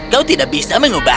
kau tidak bisa mengubahku